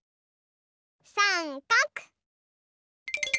さんかく！